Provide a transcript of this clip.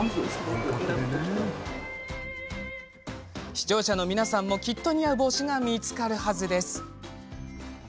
視聴者の皆さんも、きっと似合う帽子が見つかるはずです。